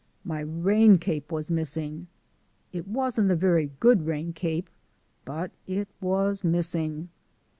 My rain cape was missing! It wasn't a very good rain cape, but it was missing.